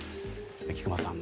菊間さん